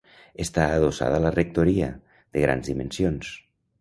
Està adossada a la rectoria, de grans dimensions.